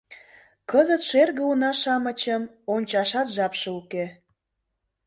Кызыт шерге уна-шамычым ончашат жапше уке.